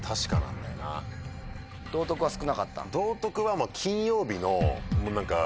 道徳は少なかった？